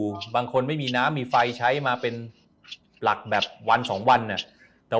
บางคนไม่มีน้ำมีไฟใช้มาเป็นหลักแบบวันสองวันอ่ะ